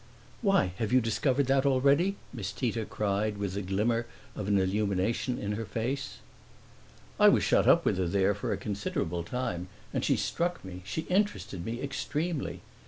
"Why, have you discovered that already?" Miss Tita cried with the glimmer of an illumination in her face. "I was shut up with her there for a considerable time, and she struck me, she interested me extremely.